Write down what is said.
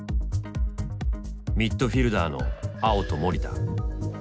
ミッドフィルダーの碧と守田。